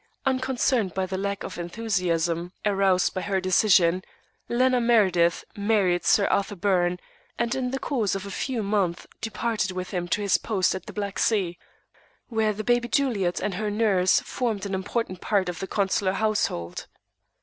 Unconcerned by the lack of enthusiasm aroused by her decision, Lena Meredith married Sir Arthur Byrne, and in the course of a few months departed with him to his post on the Black Sea; where the baby Juliet and her nurse formed an important part of the consular household.